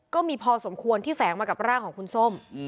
ก็มีพอสมควรที่แฝงมากับร่างของคุณส้ม